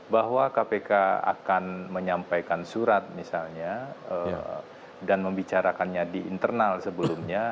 bahwa kpk akan menyampaikan surat misalnya dan membicarakannya di internal sebelumnya